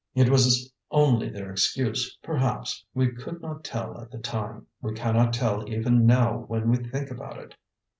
"It was only their excuse, perhaps; we could not tell at the time; we cannot tell even now when we think about it.